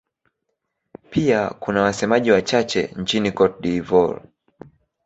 Pia kuna wasemaji wachache nchini Cote d'Ivoire.